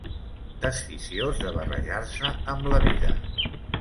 Desficiós de barrejar-se amb la vida.